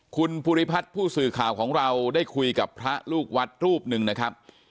คุณภูริพัฒน์ผู้สื่อข่าวของเราได้คุยกับพระลูกวัดรูปหนึ่งนะครับ